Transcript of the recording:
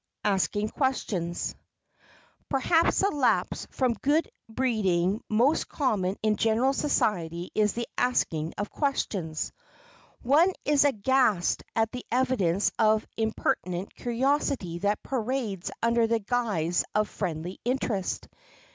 [Sidenote: ASKING QUESTIONS] Perhaps the lapse from good breeding most common in general society is the asking of questions. One is aghast at the evidence of impertinent curiosity that parades under the guise of friendly interest.